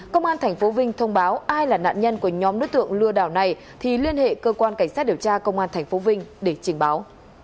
công an tp vinh thông báo ai là nạn nhân của nhóm đối tượng lừa đảo này thì liên hệ cơ quan cảnh sát điều tra công an tp vinh để trình báo